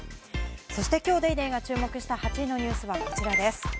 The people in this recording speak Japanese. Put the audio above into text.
そしてきょう『ＤａｙＤａｙ．』が注目した８位のニュースはこちらです。